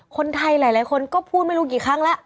คนไทยหลายคนก็พูดไม่รู้กี่ครั้งแล้ว